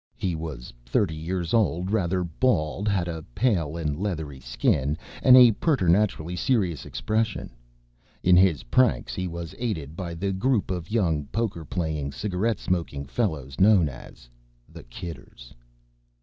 He was thirty years old, rather bald, had a pale and leathery skin, and a preternaturally serious expression. In his pranks he was aided by the group of young poker playing, cigarette smoking fellows known as the "Kidders."